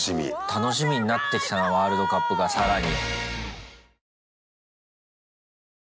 楽しみになってきたなワールドカップが更に。